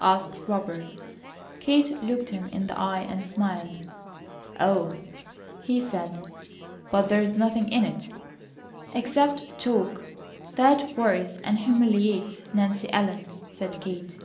asked Robert. Kate looked him in the eye, and smiled. "Oh," he said. "But there is nothing in it!" "Except TALK, that worries and humiliates Nancy Ellen," said Kate.